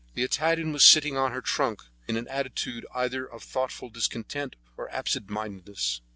The Italian was sitting on her trunk in an attitude either of thoughtful discontent or absent mindedness.